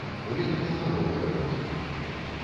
Улетку на ровары можна.